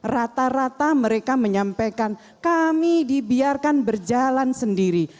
rata rata mereka menyampaikan kami dibiarkan berjalan sendiri